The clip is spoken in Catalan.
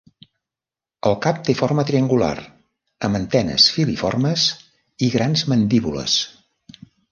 El cap té forma triangular, amb antenes filiformes i grans mandíbules.